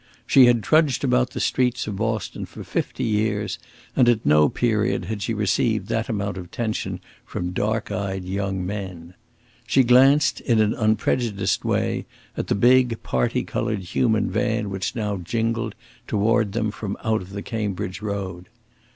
She had trudged about the streets of Boston for fifty years, and at no period had she received that amount of attention from dark eyed young men. She glanced, in an unprejudiced way, at the big parti coloured human van which now jingled, toward them from out of the Cambridge road.